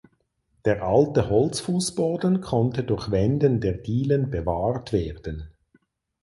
Der alte Holzfußboden konnte durch Wenden der Dielen bewahrt werden.